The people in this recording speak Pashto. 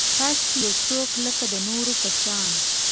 کاشکي یو څوک لکه، د نورو په شان